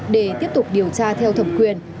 để tiếp tục điều tra theo thẩm quyền